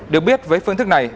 được biết với phương thức này